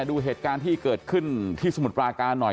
ดูเหตุการณ์ที่เกิดขึ้นที่สมุทรปราการหน่อย